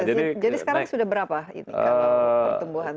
jadi sekarang sudah berapa ini kalau pertumbuhan